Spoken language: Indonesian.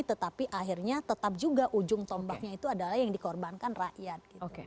tetapi akhirnya tetap juga ujung tombaknya itu adalah yang dikorbankan rakyat